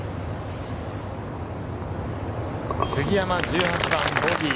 杉山、１８番ボギー。